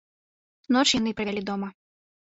Ноч яны правялі дома.